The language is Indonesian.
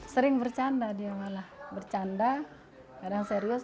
sering bercanda dia malah bercanda kadang serius